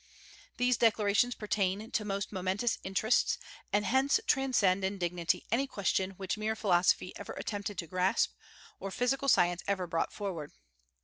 These declarations pertain to most momentous interests, and hence transcend in dignity any question which mere philosophy ever attempted to grasp, or physical science ever brought forward.